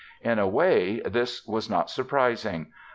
In a way this was not surprising.